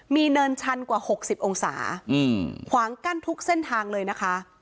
มีเนินชันกว่า๖๐องศาขวางกั้นทุกเส้นทางเลยนะคะ